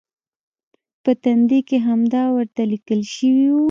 په تندي کې همدا ورته لیکل شوي و.